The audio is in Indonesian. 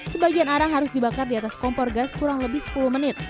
sebagian arang harus dibakar di atas kompor gas kurang lebih sepuluh menit